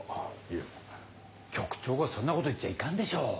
いや局長がそんなこと言っちゃいかんでしょう。